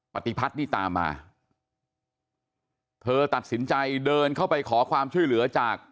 ปฏิพัฒน์นี่ตามมาเธอตัดสินใจเดินเข้าไปขอความช่วยเหลือจาก